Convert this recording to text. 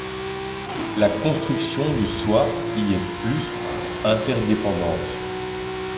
La construction du soi y est plus interdépendante.